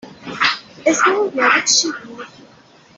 اسم اون یارو چی بود ؟